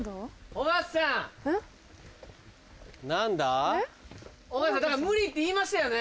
尾形さんだから無理って言いましたよね？